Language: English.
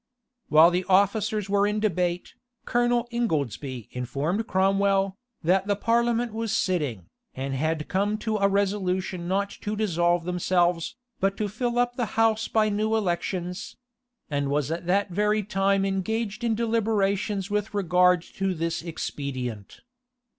While the officers were in debate, Colonel Ingoldsby informed Cromwell, that the parliament was sitting, and had come to a resolution not to dissolve themselves, but to fill up the house by new elections; and was at that very time engaged in deliberations with regard to this expedient.